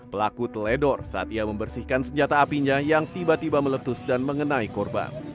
pelaku teledor saat ia membersihkan senjata apinya yang tiba tiba meletus dan mengenai korban